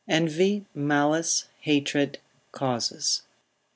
—Envy, Malice, Hatred, Causes.